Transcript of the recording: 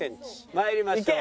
参りましょう。